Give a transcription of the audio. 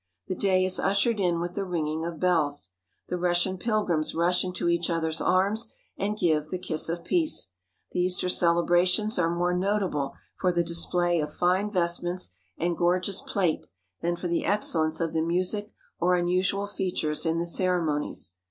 The day is ush ered in with the ringing of bells. The Russian pilgrims rush into each other's arms and give the "kiss of peace." The Easter celebrations are more notable for the display 93 THE HOLY LAND AND SYRIA of fine vestments and gorgeous plate than for the excel lence of the music or unusual features in the ceremonies.